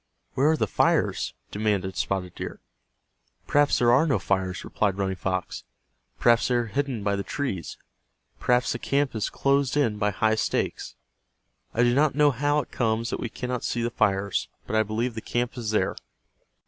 "Where are the fires?" demanded Spotted Deer. "Perhaps there are no fires," replied Running Fox. "Perhaps they are hidden by the trees. Perhaps the camp is closed in by high stakes. I do not know how it comes that we cannot see the fires, but I believe the camp is there."